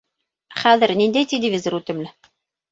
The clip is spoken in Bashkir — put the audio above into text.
Хәҙер ниндәй телевизор үтемле?